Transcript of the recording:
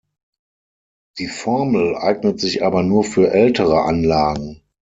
Die Formel eignet sich aber nur für ältere Anlagen.